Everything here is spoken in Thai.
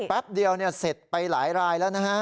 แป๊บเดียวเสร็จไปหลายรายแล้วนะฮะ